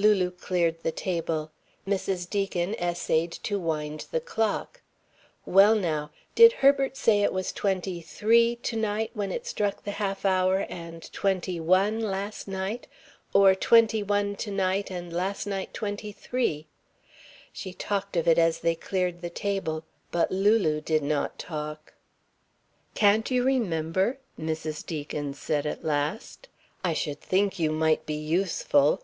Lulu cleared the table. Mrs. Deacon essayed to wind the clock. Well now. Did Herbert say it was twenty three to night when it struck the half hour and twenty one last night, or twenty one to night and last night twenty three? She talked of it as they cleared the table, but Lulu did not talk. "Can't you remember?" Mrs. Deacon said at last. "I should think you might be useful."